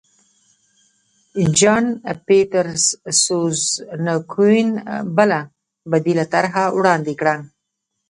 جان پیټرسزونکوین بله بدیله طرحه وړاندې کړه.